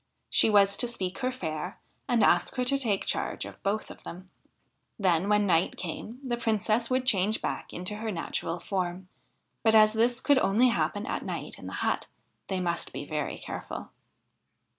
She was to speak her fair and ask her to take charge of both of them. Then when night came, the Princess would change back into her natural form ; but as this could only happen at night in the hut, they must be very careful.